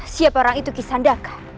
siapa orang itu kisandaka